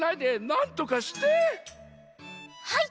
はい！